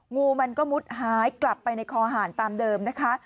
งูมันก็มุดหายกลับไปในคอหารตามเดิมนะคะ